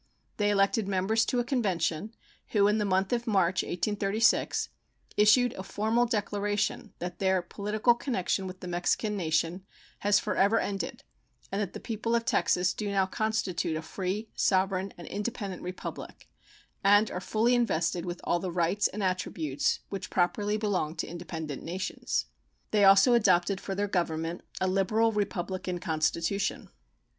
They elected members to a convention, who in the month of March, 1836, issued a formal declaration that their "political connection with the Mexican nation has forever ended, and that the people of Texas do now constitute a free, sovereign, and independent Republic, and are fully invested with all the rights and attributes which properly belong to independent nations." They also adopted for their government a liberal republican constitution.